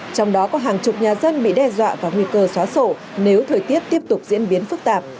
trong đó có hàng chục nhà dân bị đe dọa và nguy cơ xóa sổ nếu thời tiết tiếp tục diễn biến phức tạp